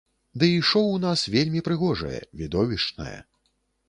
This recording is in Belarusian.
Дый шоў у нас вельмі прыгожае, відовішчнае.